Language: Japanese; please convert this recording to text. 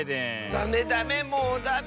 ダメダメもうダメ。